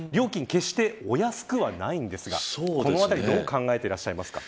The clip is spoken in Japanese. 決してお安くはないんですがこのあたりどう考えていらっしゃいますか。